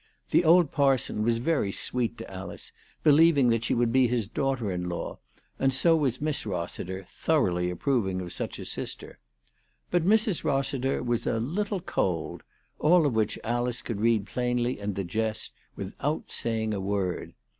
The old parson was very sweet to Alice, believing that she would be his daughter in law, and so was Miss Rossi ter, thoroughly approving of such a sister. But Mrs. Rossiter was a little cold ; all of which Alice could read plainly and digest, without saying a word.